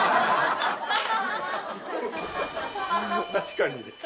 確かに。